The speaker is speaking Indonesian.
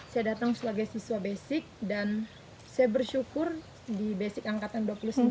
saya datang sebagai siswa basic dan saya bersyukur di basic angkatan dua puluh sembilan